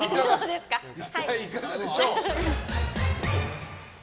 実際いかがでしょう？